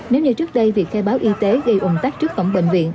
nếu như trước đây việc khai báo y tế gây ủng tác trước khẩu bệnh viện